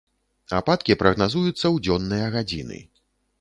Ападкі прагназуюцца ў дзённыя гадзіны.